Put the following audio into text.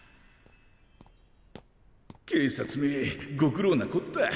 警察めご苦労なこった。